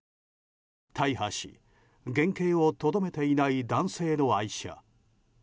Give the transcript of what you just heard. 大破し、原形をとどめていない男性の愛車。